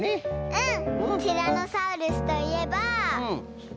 うん。